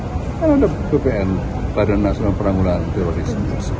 kan ada bpn raden nasional penanggulan teroris